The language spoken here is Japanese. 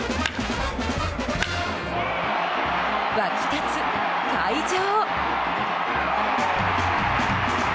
沸き立つ会場！